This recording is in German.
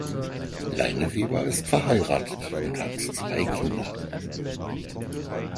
Leineweber ist verheiratet und hat zwei Kinder.